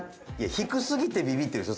低すぎてビビッてるでしょ